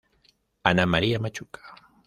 Ana María Machuca.